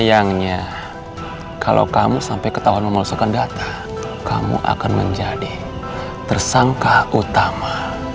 sayangnya kalau kamu sampai ketahuan memalsukan data kamu akan menjadi tersangka utama